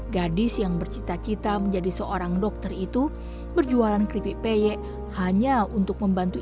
gadis yang bercita cita menjadi seorang dokter itu berjualan keripik peyek hanya untuk membantu